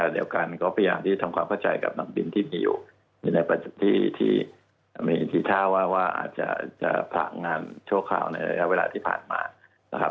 เดี๋ยวกันก็เป็นอย่างที่ทำความเข้าใจกับนักบินที่มีอยู่ในปัจจุที่ที่มีที่ท่าว่าอาจจะผลักงานช่วงคราวในระยะเวลาที่ผ่านมา